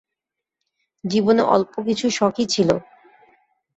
জীবনে অল্প কিছু শখই ছিলো।